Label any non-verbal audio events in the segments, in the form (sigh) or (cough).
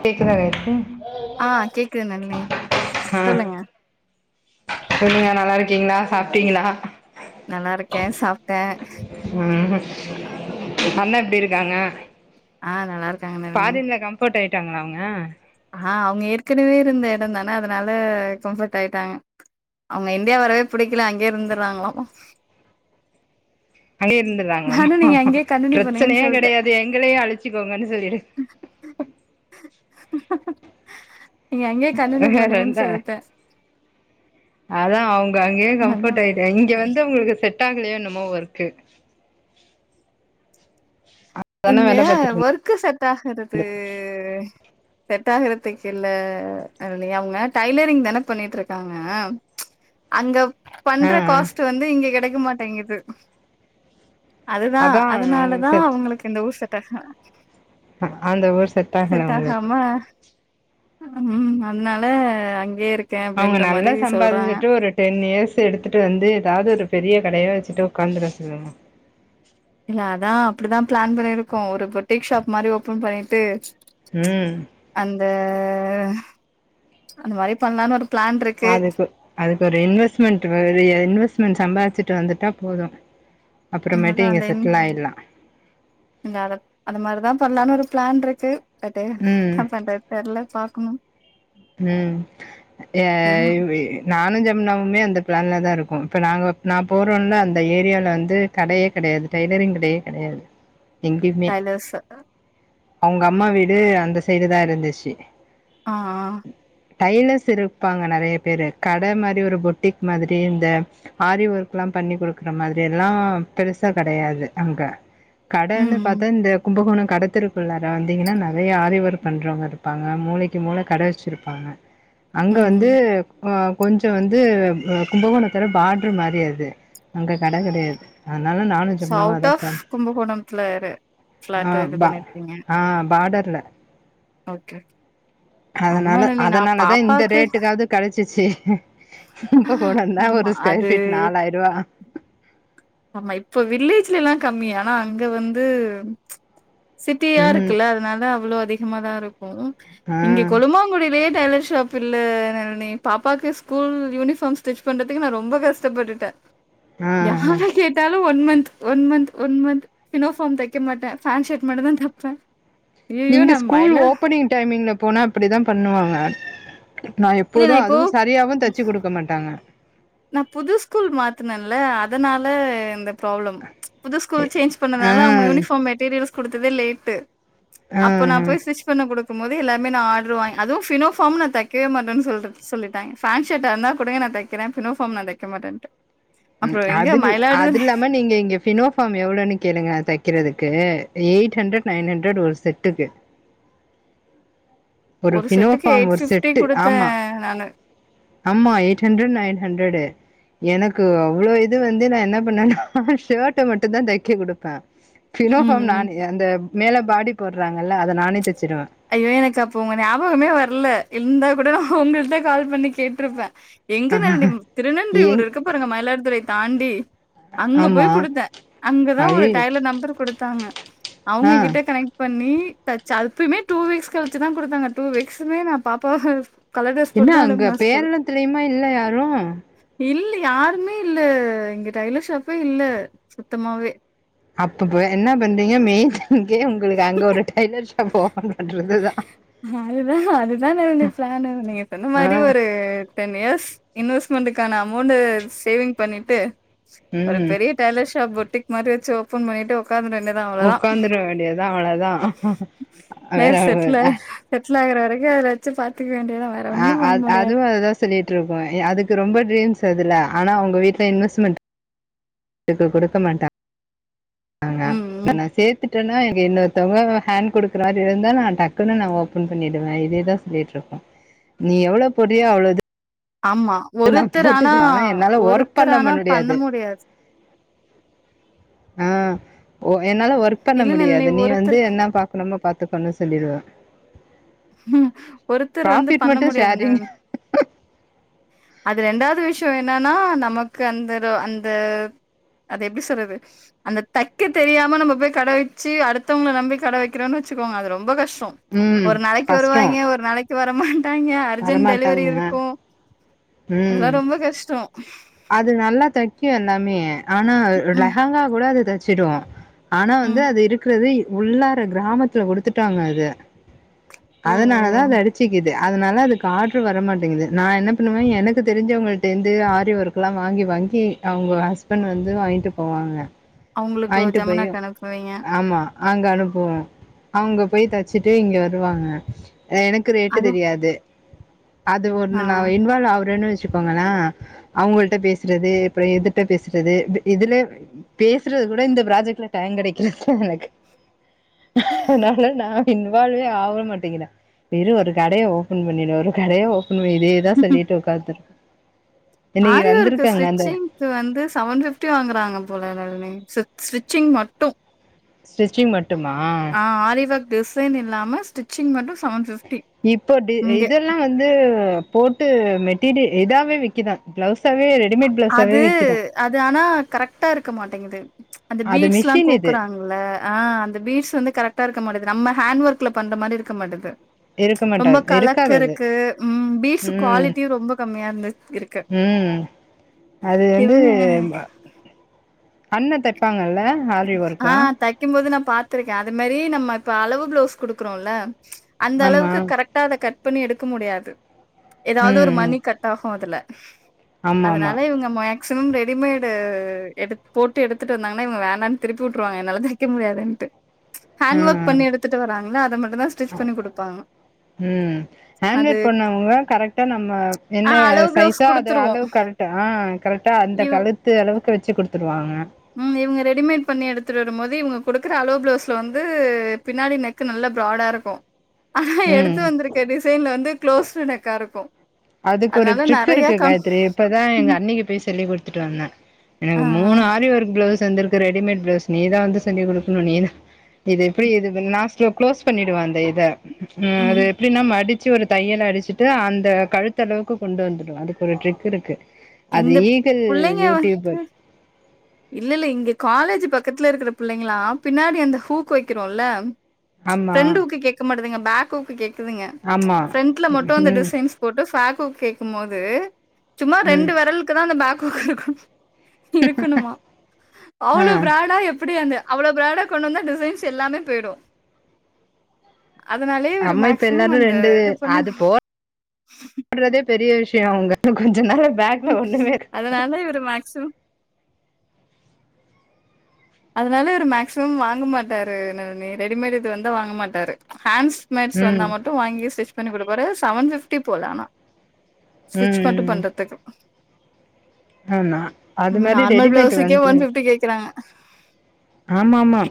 கேக்குதா ஆ கேக்குதுங்க அண்ணி ஆ சொல்லுங்க சொல்லுங்க நல்லா இருக்கீங்ளா சாப்ட்டீங்ளா நல்லா இருக்கே சாப்ட்டே ம் அண்ணா எப்டி இருக்காங்க ஆ நல்லா இருக்காங்க நளினி விட்டாங்களா அவுங்க ஆ அவுங்க ஏற்கனவே இருந்த எடந்தான அதனால கம்ஃபட் ஆயிட்டாங்க அவுங்க இந்தியா வரவே புடிக்கல அங்கேயே இருந்துறாங்களாமா அங்கே நானு இருந்துதாங்கலாமா நீங்க அங்கயே கண்டினியூ பண்ணுங்கன்னு பிரச்சனையே சொல்ட்டே கெடயாது எங்களையு அழச்சுக்கோங்கன்னு சொல்லிரு நீங்க அங்கயே கண்டினியூ பண்ணுங்கன்னு சொல்ட்டே அதா அவுங்க அங்கேயே அதா கம்பட் ஆயிட்டி இங்க வந்து அவுங்களுக்கு செட் செட்டாகலயே என்னமோ ஒர்க்கு அதான இங்க வேல பாத்துட்டு இருந் ஒர்க்கு செட் ஆகுறது செட் ஆகுறதுக்கு இல்ல அவுங்க டைலரிங் தான பண்ணிட்டு இருக்காங்க அங்க ஆ பண்ற ஆ காஸ்ட்டு வந்து இங்க கெடை இருக்க மாட்டேங்குது அதுதா அதா அவங்களுக்கு அதனாலதா அவுங்களுக்கு உ செட்டக ஹ அந்த ஊர் செட் ஆகல அவுங்களுக்கு ம் அதுனால அங்கேருக் அவுங்க நல்லா சம்பாதிச்சுட்டு ஒரு டென் இயர்ஸ் சு எடுத்துட்டு வந்து ஏதாவுது ஒரு பெரிய கடையா வச்சுட்டு உக்காந்துர சொல்லங்க இல்ல அதான் அப்டிதான் பிளான் பண்ணியிருக்கோம் ஒரு பொட்டீக் ஷாப் மாதிரி ஓபன் பண்ணிட்டு ம் ஆ அந்த மாதிரி பண்ணலானு இருக் அதுக்கு அதுக்கு ஒரு இன்வஸ்மெண்ட்டு மாரி இன்வஸ்மெண்ட் சம்பாரிச்சு ட்டு வந்துட்டா போதும் அதா அந்த என் அத மார்தா பண்லானு ஒரு பிளான் இருக்கு கட்டு ம் என்ன பண்றது தெர்ல பாக்குனும் ம் ய ம் நானு ஜப் இன்னமு மே அந்த பிளான்ல தான் இருக்கும் இப்ப நாங்க நா போறோம்ல அந்த ஏரியால வந்து கடையே கெடயாது டைய்லரிங் கடையே கெடயாது டைலர்ஸ் ஆ அவுங்க அம்மா வீடு அந்த சைய்டு தான் இருந்துச்சு ஆ ஆ டைலர்ஸ் இருப்பாங்க நெறைய பேரு கட மாதிரி ஒரு பொட்டீக் மாதிரி இந்த ஆரி ஒர்க்லா பண்ணி குடுக்குற மாதிரிலா பெருசா கெடையாது அங்க ம் கடன்னு ம் பாத்தா இந்த கும்பகோணம் கடத்தெரு குள்ளார வந்தீங்கன்னா நெறைய ஆரிஒர்க் பண்றவங்க இருப்பாங்க மூலைக்கு மூல கட வச் சிருப்பாங்க அங்க ம் ம் வந்து ம் கொஞ்சோ வந்து கும்பகோணத்தோட பாடர் மாரி அது அங்க கட கெடயாது அதுனால நானு சோ ஜமுனாவு அவுட் அதா ஆஃப் பிளான் கும்பகோணத்துல இரு ஃபிளாட் ஆ இது பா பண்ணிருக்கீங்க ஆ பாடர் இல்ல ஓகே ஆமா அதுனால நளினி நா அதுனாலதா இந்த பாப்பாக்கு ரேட்டு காது கெடச் சுச்சு கும்பகோணந்தான் ஆமா ஒரு ஸ்கொயர் அது பீட் நால் ஆயரூவா ஆமா இப்ப வில்லேஜ்ல்லா கம்மி ஆனா அங்க வந்து சிட்டியா ம் இருக்குல்ல அதனால அவ்ளோ அதி ம்மா‌தா இருக் ம் ஆ இங்க கொழுமாங்குடிலே டெய்லர் ஷாப் இல்ல நி பாப்பாக்கு ஸ்கூல் யூனிஃபாம் ஸ்டிச் பண்றதுகு நா ரொம்பவே கஷ்டபட்டுட ஆ அ கேட்டாலு one month one month one month பினோஃபாம் தெக்கமாட்டே ஃபேண்ட் ஷட் மட்டுதா தப்ப நீங்க ஸ்கூல் ஓபனிங் டைமிங்ல போனா அப்புடிதா பண்ணுவாங்க நா இல்ல எப்போது இப்போ அது சரியாவு தச்சி குடுக்கமாட்டாங்க நா‌ புது ஸ்கூல் மாத்துன இல்ல அதனால இந்த ப்ராளம் புது ஸ்கூல் சேஞ்ச் ஆ பண்ணனால அவுங்க யூனிஃபாம் மெட்டீரியல்ஸ் குடுத்ததே லேட்டு் ஆ அப்ப நா‌‌ ம் போய் ஸ்டிரிட்ச் பண்ண குடுத் க்கும்போதே எல்லாமே நா ஆடர்ரு வாங்க அதுவு ஃபினோ ஃபாம் நா தெக்கவேமாட்டேன் சொல்ற சொல்லிட்டாங்க ஃபேண்ட்ஷர்ட் இருந்தா குடுங்க நா தைக்கிறே ஃபினோ ஃபாம் நா தெக்க மாட்டன்ட்ட ம் அதில்ல அது இல்லாம நீங்க இங்க ஃபினோ ஃபாம் எவ்ளோனு கேளுங்க தைக்கிறதுக்கு எய்ட் ஹண்ட்ரட் நைன் ஹண்ட்ரட் ஒரு செட்டுக்கு ஒரு ஃபினோ செட்டுக்கு ஃபாம் எயிட் ஒரு ஃபிஃப்டி செட்டு குடுத்தே ஆமா நானு ஆமா எயிட் ஹண்டரட் நைன் ஹண்ட்ரடு எனக்கு அவ்ளோ இது வந்து நா என்ன பண்ணனா ஷேட்ட மட்டுந்தா தைக்ககுடுப்பே ஃபினோ ம் ஃபாம் ம் நானு அந்த மேல பாடி போறாங்க இல்ல அத நானே தெச் ஐயோ எனக் அப்ப உங்க ஞாபகமே வரல இருந்தா கூட நா உங்கள்ட்ட கால் பண்ணி கேட்டுருப்பே எங்க நல்டி திருநன்றி ஊர் எங் இருக்க பாருங்க மயிலாடுதுறை தாண்டி அங்க ஆமா போய் குடுத்தே அங்கதா ஒரு அய்யய்யோ டைலர் நம்பர் குடுத்தாங்க ஆ அவுங்க கிட்ட கனெக்ட் பண்ணி தச்ச ஆப்பியுமே டூ வீக்ஸ் கழிச்சிதா குடுத்தாங்க டூ வீக்ஸ்ஸுமே நா பாப்பாவ கலர் ட்ரெஸ் போட்டு என்ன தான் அங்க அனுப்புன ஸ்கூல் பேரளத்திலியுமா இல்ல யாரு இல்ல யாருமே இல்ல இங்க டைலர் ஷாப்பே இல்ல சுத்தமாவே அப்பப்ப என்ன பண்றீங்க மெயின் இங்கே உங்களுக்கு அங்க ஒரு ட்டைலர் போன்றறது தா அதுதா அதுதானே நடந்து பிளான் நீங்க சொன்ன ஆ மாரி ஒரு டென் இயர்ஸ் இன்வெஸ்ட்மெண்ட்டுக்கான அமௌண்டு சேவிங் பண்ணிட்டு ஒரு ம் பெரிய டெய்லர் ஷாப் போட்டு பொட்டிக் மாரி வச்சு ஓபன் பண்ணிட்டு உக்காந்துர வேண்டியதா அவ்ளோதா ஒக்காந்துரு வேண்டியதுதா அவ்வளதா வேற செட்டில்லா ஆகுற வரைக்கு அதுல வச்சு பாத் அ அ அதுவு அதுதா சொல்லிட்டு இருக்கு அதுக்கு ரொம்ப ட்ரீம்ஸ் அதுல ஆனா அவுங்க வீட்ல இன்வெஸ்ட்மெண்ட் அதுக்கு குடுக்க மாட்டாங் ஆ ம் ம் நா சேத்துட்டு ங்க இன்னொருத்தவங்க ஹேண்ட் குடுக்குற மாதிரி இருந்தா நா டக்குன்னு நா ஓபன் பண்ணிடுவே இதேதா சொல்லிட்டு இருக்கோ நீ எவ்ளோ போட்ரியோ அவ்ளவு ஆமா ஒருத்தர் ஆனா என்னால ஒர்க் ஒருத்தர் பண்ண ஆனா பண்ண முடியாது ஆ ஓ என்னால ஒர்க் பண்ண இல்ல நளினி முடியாது நீ ஒருத்தர் வந்து என்ன பாக்கணுமோ பாத்து இது பண்ண சொல்லிடுவே உம் ஒருத்தர் வந்து ப்ராஃபிட் பண்ண மட்டு முடியாதுங்க ஷேரிங் அது ரெண்டாவது விஷயோ என்னன்னா நமக்கு அந்த அந்த அது எப்டி சொல்றது அந்த தக்க தெரியாம நம்ம போய் கட வச்சு அடுத்தவங்கள நம்பி கட வெக்குறோம்ன்னு வச்சுக்கோங்க அது ரொம்ப கஷ்டோ த்தம் ம் ஒரு நாளைக்கு கஷ்டோ வருவாங்க ஒரு நாளைக்கு வரமா டாங்க அர்ஜென்ட் டெலிவரி வரமாட்டாங்க இருக்கு ம் அதெல்லா ரொம்ப கஷ்டோ ப (unintelligible) அது நல்லா தக்கு எல்லாமே ஆனா ம் லெஹாங்கா கூடா அது ச்சிடுவா ஆனா வந்து ம் அது இருக்குறது உள்ளார கிராமத்துல குடுத்துட்டாங்க அத ஓ ஓ அதனாலதா அது அடிச்சுக்குது அதனால அதுக்கு ஆர்டர் வரமாட்டேங்குது நா என்ன பண்ணுவே எனக்கு தெரிஞ்சவங்ககிட்ட இருந்து ஆரி வொர்க் எல்லாம் வாங்கி வாங்கி அவங்க ஹஸ்பண்ட் வந்து வாங்கிட்டு போவாங்க அவங்களுக்கு வாங்கிட்டு போய் ஜமுனாக்கு அனுப்புவீங்க ஆமா அங்க அனுப்புவோம் அவங்க போய் தச்சிட்டு இங்க வருவாங்க எனக்கு ரேட்டு அது தெரியாது அது ஒண்ணு ஆ நா இன்வால்வ் ஆவறேன்னு வச் சிக்கோங்களேன் அவங்கள்ட்ட பேசறது அப்புறம் இதுட்ட பேசறது இதுலே பேசறது கூட இந்த ப்ராஜெக்ட்ல டைம் கெடைக்கல எனக்கு அதனால நா இன்வால்வே ஆக மாட்டேங்கிற வெறும் ஒரு கடைய ஓபன் பண்ணிடு ஒரு கடைய ஓ பன் பண்ணிரு இதேதா சொல்லிட்டு உக்காந்துரு ஆரிவொர்க்கு ஸ்டிச்சிங்க்கு வந்து செவன் பிஃப்டி வாங்கறாங்க போல எல்லாருமே ஸ் ஸ்டிச்சிங் மட்டும் ஸ்டிச்சிங் மட் டுமா ஆ ஆரி ஒர்க் டிசைன் இல்லாம ஸ்டிச்சிங் மட்டும் செவன் பிப் இப்போ டி இதெல்லா வந்து போட்டு மெட்டீரியல் இதாவே விக்குதா பிளவுஸ் அது அது ஆனா கரெக்ட்டா இருக்க மாட்டேங்குது அந்த அது பீட்ஸ்லா மிஷின் இது கோக்கறாங்க இல்ல ஆ அந்த பீட்ஸ் வந்து கரெக்ட்டா இருக் கமாட்டது நம்ம ஹேண்ட் ஒர்க்ல பண்ற மாரி இருக்க மாட்டுது இருக்க ரொம்ப மாட்டாது கலக்க இருக்காது அது. இருக்கு ம் பீடஸ் ம். குவாலிட்டியும் ரொம்ப கம்மியா இருந்து இருக்கு ம் அது வந்து இவங்க அண்ண தைப்பாங்க இல்ல ஆ தக்க மோது நம் பாத்துருக்கேன் அது மேரி நம்ம இப்ப அளவு பிளவுஸ் குடுக்கறோம் இல்ல அந்த ஆமா அளவுக்கு கரெக்ட்டா அத கட் இப்ப நீ எடுக்க முடியாது எதாவது ம் ஒரு ம் மணி கட் ஆகும் அதுல ஆமா ஆமா அதனால இவங்க ம மேக்சிமம் ரெடிமேடு எடு போட்டு எடுத்துட்டு வந்தாங்கன்னா இவங்க வே ணான் திருப்பி உட்டுருவாங்க என்னால தைக்க முடியாதுன்ட்டு ஹேண்ட் ஒர்க் ம் பண்ணி எடுத்துட்டு வராங்களா அத மட்டுந்தா ஸ்டிச் ம் பண்ணி குடுப்பாங்க ம் அது ஹாண்ட்மேடு கரெக்டா நம்ம ஆ என்ன அளவு பிளவுஸ் சைஸா அ குடுத்துருவோ அளவு கரெக்டா கரெக்டா அந்த இவ் கழுத்து அளவுக்கு வச்சி குடுத் த்துருவாங்க ம் இவுங்க ரெடிமேட் பண்ணி எடுத்துட்டு வரும்போது இவுங்க குடுக்குற அளவு பிளவுஸ்ல வந்து பின்னாடி நெக்கு நல்ல பிராடா இருக்கு ம் எடுத்து வந்திருக்கே டிசைன்ல வந்து க்ளோஸ்டு நெக்கா இருக்கு அதுக்கு ஒரு அதனால ட்ரிக் நெறைய இருக்கு கன் காயத்ரி இப்பதா எங்க ம் அன்னிக்கு பேஸ் சொல்லிக் குடுத்துட்டு வந்தே எனக்கு ஆ ஆ மூணு ஆரி ஒர்க் பிளவுஸ் த்ந்திருக்கு ரெடிமேட் பிளவுஸ் நீதா வந்து செஞ்சி குடுக்கணு நீதா இது எப்பிடி நாஸ்ட்ல குளோஸ் பண்ணிடுவே அந்த இத ம் அது எப்பிடி மற்டி ச்சி ஒரு தையல் அடிச்சிட்டு அந்த கழுத்தளவுக்கு கொண்டு வந்துடு அதுக்கு ஒரு ட்ரிக் இருக்கு அது இந்த ஈகல் புள்ளைங்க யூடியூபர் இல்ல இல்ல இங்க காலேஜ் பக்கத்துல இருக்கற புள்ளைங்களா பின்னாடி அந்த ஹூக்கு வைக்கிறோல்ல ஆமா பிரன்ட்ஹூக் கேட்கமாட்டுதுங்க பேக் ஹூக் கேக் க்குதுங்க ஆமா பிரண்ட்ல மட்டு அந்த ம் டிசைன்ஸ் போட்டு ஃபேக் ஹூ கேட்கு போது சும்மா ம் ரெண்டு வெரலுக்குதா அந்த பேக் கும் இருக்கணுமா ஆ அவளோ பிராடா எப் இப்படி அந்து அவ்ளோ பிராடா கொண்டு வந்தா டிசைன்ஸ் எல்லாமே பேயிடு நம்ம இப்ப எல்லாரு ரெண்டு பண்ணி அது போ போடறதே பெரிய விஷ் டே அவுங்க கொஞ்ச நேரோ அதனால இவுரு மேக்சிமம் அதனால ஒரு மேக்சிமம் வாங்க மாட்டாரு னனே ரெடிமேட் இது வந்த வாங்கமாட்டாரு ஹேண்ட்ஸ் மேட்ஸ் வந்தா ம் மட்டு வாங்கி ஸ்ட்ரிச் பண்ணி குடுபாரு செவன்ஃபிப்டி போல ஆனா ஸ்விச் மட்டு ம் பண்றதுக்கு ஆமா அது நம்ம மாரி நார்மல் ரெடிமேட் பிளவுஸுக்கே வந்து ஒன் ஃபிப்டி கேக்குறாங்க ஆமா ஆமா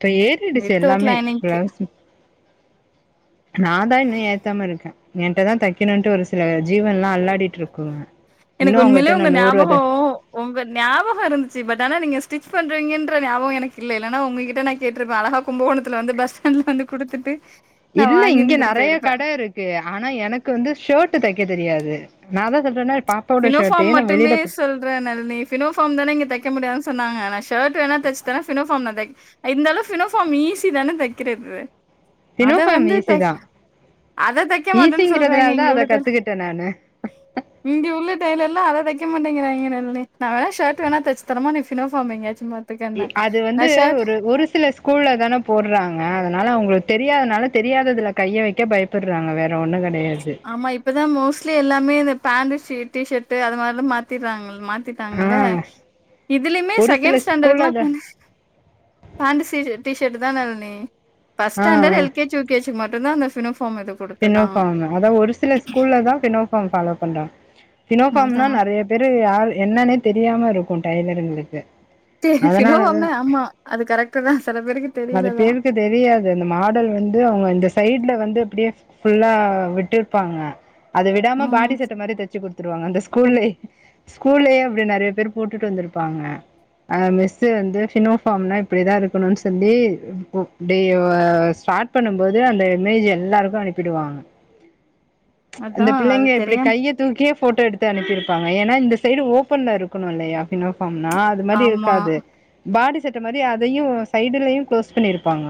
இப்ப ஏறிடுச்சு வித்தவுட் எல்லாமே லைனிங்க்கு (unintelligible) நா தா இன்னு ஏத்தாம இருக்கே என்ட்ட தா தைக்கணுன்ட்டு ஒரு சில ஜீவன் எல்லா அல்லாடிட்டு இருக்கு எனக்கு உண்மையிலயே உங்க ஞாபகோ உங்க ஞாபக இருந்துச்சு பட் ஆனா நீங்க டிச் பண்றங்கவுன்ற ஞாபோ எனக்கு இல்ல இல்லன்னா உங்ககிட்ட நா கேட்டுருப்பே அழகா கும்பகோணத்துல வந்து பஸ் ஸ்டாண்டுல வந்து குடுத்துட்டு நா இல்ல இங்க வாங்கிருந்துட்டு நெறைய போயிருப்பே கட இருக்கு ஆனா எனக்கு வந்து ஷர்ட் தைக்க தெரியாது நா தா சொல்றேன்ன பினோஃபார்ம் மட்டுமே சொல்றே நளினி பினோஃபார்ம் தானே இங்க தக்க முடியாது சொன்னாங்க அன்னாச் சர்ட் வேன்னா தச்சு தரே ஆனா ஃபினோபார்ம் நா தக் இந்தந்தளவு பினோபாஃர்ம் ஈஸி தானே தக்கிறது அத தினோஃபார்ம் வந்து ஈஸி தை தா அத தக்க மாட்டேன்னு சொல்றாங்கே ஈஸிங்கிறதுனால தா இங்க உள்ள அத கத்துக்கிட்டே நானு இங்க உள் இது எல்லா அத தக்க மாட்டேங்கிறாங்க நளினி நா வேனா ஷர்ட் வேணா தச்சு தரேமா நீ பினோபாஃர்ம் தைங்க அது வந்து ஒரு ஒரு சில ஸ்கூல்லல தானே போடுறாங்க அதனால அவங்களுக் தெரியாதனால தெரியாததுல கைய வைக்க பயப்புடுறாங்க வேற ஒண்ணு க ஆமா இப்பதா மோஸ்ட்லி எல்லாமே இந்த பேண்ட் ஷீட் டி ஷர்ட் அது மாரிலா மாத்திறாங்க ஆ மாத்திட்டாங்கள இதுலயுமே ஒரு சில செகண்ட் ஸ்கூல்ல ஸ்டாண்டர்டுகுலா அத ஃப்னிஷ் பாண்டிசிடு டி ஷர்ட் தா நளினி ஃபஸ்ட் ஆ standard L K G U K G இது மட்டு தா பினோபா ஃபம் இது குடுத்துருக்காங்க ஃபினோஃபார்ம் அதா ஒரு சில ஸ்கூல்ல தா பினோபாஃர்ம் ஃபாலோ பண்றாங்க அதா பினோபாஃம்னா நெறைய பேரு யார் என்னன்னேத் தெரியாம இருக்கு டைலருங்களுக்கு (unintelligible) பினோ அதனால பாஃம்னா ஆமா அது கரெக்ட் தா சில பேருக்கு நெறைய தெரியலதா பேருக்கு தெரியாது அந்த மாடல் வந்து அவங்க இந்த சைடுல வந்து அப்டியே ஃபுல்லா விட்டுருப்பாங்க அத விடாம ம் பாடி சட்ட மாரி தச்சு குடுத்துருவாங்க அந்த ஸ் கூல்லே ஸ்கூல்லே அப்டி நெறைய பேர் போட்டுட்டு வந்துருப்பாங்க அ மிஸ்ஸு வந்து ஃபினோஃபாம்னா இப்பிடிதா இருக்கனு தம்பி டே வ ஸ்டாட் பண்ணும்போது அந்த இமேஜ் எல்லாருக்கு அனுப்பிடுவாங்க அதா அந்த அது பிள்ளைங்க இப்டி தெரியாம கைய தூக்கியே ஃபோட்டோ எடுத்து அனுப்பிருப்பாங்க ஏனா இந்த சைடு ஓப்பன்ல இருக்கனு இல்லயா ஃபினோ ஃபாம்னா அது மாரி ஆமா இருக்காது பாடி செட்ட மாரி அதையு சைடுலயு க்ளோஸ் பண்ணிருப்பாங்க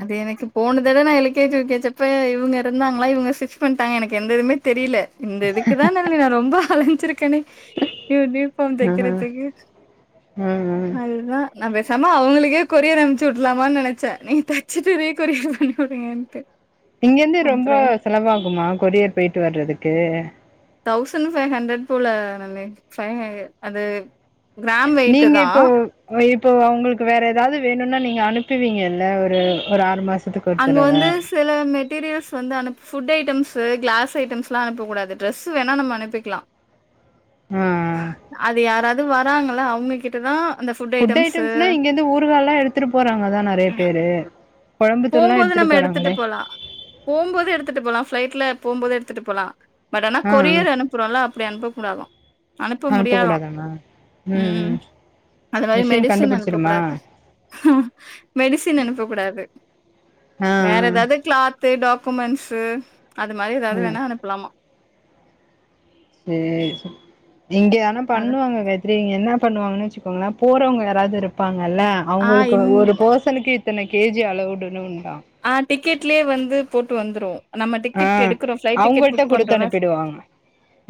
அது எனக்கு போனதட நா L K G U K G அப்ப இவுங்க இருந்தாங்ளா இவுங்க ஸ்டிட்ச் பண்ட்டாங்க எனக்கு எந்ததுமே தெரில இந்த இதுக்கு தா நல்லி நா ரொம்ப அல ஞ்சிருக்கனே யூனிஃபாம் ஆ தக்கிறத்துக்கு ம் ம் அதுதா நா பேசாம அவுங்களுக்கே கொரியர் அம்ச்சு வுட்ருலாமான் நெனச்சே நீ த ச்சிட்டு ரீ கொரியர் பண்ணி வுடுங்கன்ட்டு இங்கெந்து ரொம்ப செலவாகுமா கொரியர் போய்ட்டு வர்றதுக்கு தௌசண்ட் ஃபை ஹண்ட்ரட் போல நென ஃபை அது கிராம் வெயிட்டு நீங்க தான். இப்போ இப் போ அவுங்ளுக்கு வேற எதாவ்து வேணுன்னா நீங்க அனுப்புவீங்கல்ல ஒரு ஒரு ஆறு மாச அங்க வந்து சில மெட்டீரியல்ஸ் வந்து அனு ஃபுட் ஐ ட்டம்ஸு க்ளாஸ் ஐட்டம்ஸ்லா அனுப்பக்கூடாது டிரெஸ்ஸு வேணா நம்ம அனுப்பிக்லா ஆ அது யாராது வ ராங்கள அவுங்ககிட்டதா ஃபுட் ஐட்டம்ஸ்னா இங்கெந்து ஊறுகால்லா எடுத்துட்டு போறாங்கதா நெறைய பேரு கொழம்புத்தூள்லா போம்போது நம்ம எடுத்துட்டு போறாங்களே போலா போம்போது எடுத்துட்டு போலா ஃப்ளைட்ல போம்போது எடு த்துட்டு போலா பட் ஆனா ஆ கொரியர் அனுப்புறோல்ல அப்பிடி அனுப்ப கூடாதா அனுப்ப முடியாதா ம் அது மாரி மிஷின் மெடிசன் அனுப்ப கண்டுபிடிச்சிருமா கூடாது மெடிசன் அனுப்ப கூடாது ஆ வேற எதாவ்து க்ளாத்து டாக்குமெண் ட்ஸு அது மாரி ஆ எதாவ்து வேணா அனுப்லாமா சேரிப்ப இங்க ஆனா அது பண்ணுவாங்க கே இவங்க என்ன பண்ணுவாங்கன்னு வச்சுக்கோங்களா போறவங்க யாராவது இருப்பாங் கல்ல ஆ அவுங்களுக்கு இன் ஒரு பர்சனுக்கு இத் த்தன கேஜி அளவுடனுன்னு ஆ டிக் கெட்லே வந்து போட்டு வந்துரும் நம்ம ஆ டிக்கெட் எடுக்கறோம் ஃபளைட் டிக்கெட் அவங்கள்ட்ட புக் குடுத்து பண்றோல்ல அனுப்பிடுவாங்க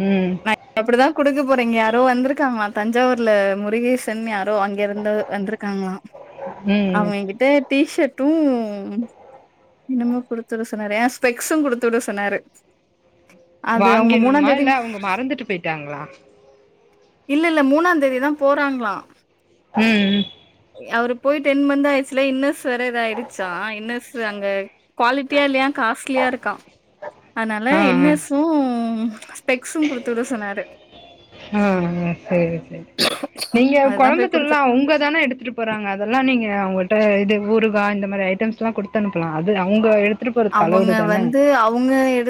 ம் நா அப்டிதா குடுக்க போறே இங்க யாரோ வந்துருக்காங்களா தஞ்சாவூர்ல முருகேசன்னு யா ரோ அங்க இருந்து வந்துருக்காங்களா ம் அவங்க என்கிட்ட டீஷட் டும் இன்னமோ குடுத்துட சொன்னாரே ஆ ஸ்பெக்ஸும் குடுத்துட சொன்னாரு அது அவங்க வாங்கினுமா மூணாந்தேதி இல்ல அவங்க மறந்துட்டு போயிட்டாங்களா இல்ல இல்ல மூணாந் தேதிதா போறாங்களா ம் ம் அவரு போய் டென் மந்த் ஆயிடுச்சில இன்னர்ஸ் வேற இதா ஆயிடுச்சா இன்னர்ஸு அங்க குவாலிட்டியா இல்லையா காஸ்ட்லியா இருக் கா அதனால ஆ ஆ இன்னர்ஸு ஸ்பெக்ஸும் குடுத்துட சொன்னாரு ஆ செரி செரி நீங்க அதுதா கொழம்பு போய் தூள்லா குடுத்து அவுங்கதான எடுத்துட்டு போறாங்க அதெல்லா நீங்க அவங்கட்ட இது ஊறுகா இந்த மாரி ஐட்டம்ஸ்லாம் குடுத்து அனுப்பலாம் அது அவுங்க எடுத் அவங்க வந்து அவங்க எடுத்